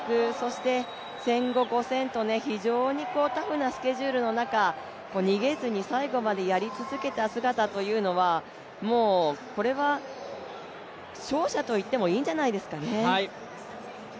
８００、１５００、５０００と非常にタフなスケジュールの中、逃げずに最後までやり続けた姿というのはもうこれは勝者と言ってもいいんじゃないですかね。